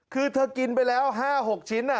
คือเธอกินไปแล้ว๕๖ชิ้น